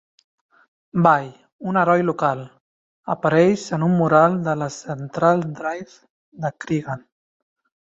Ball, un heroi local, apareix en un mural de la Central Drive de Creggan.